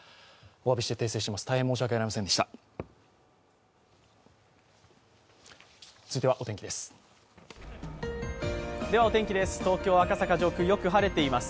おわびして訂正します。